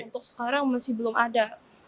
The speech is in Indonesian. untuk sekarang masih belum ada